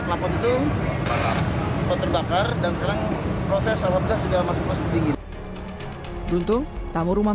pelaku itu terbakar dan sekarang proses alamnya sudah masuk masuk dingin beruntung tamu rumah